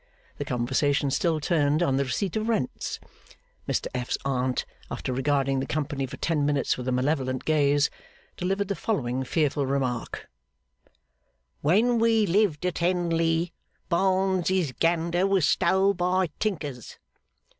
The conversation still turned on the receipt of rents. Mr F.'s Aunt, after regarding the company for ten minutes with a malevolent gaze, delivered the following fearful remark: 'When we lived at Henley, Barnes's gander was stole by tinkers.